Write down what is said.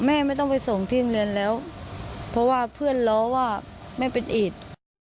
ไม่ต้องไปส่งที่โรงเรียนแล้วเพราะว่าเพื่อนล้อว่าแม่เป็นอิต